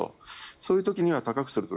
そういう時には高くすると。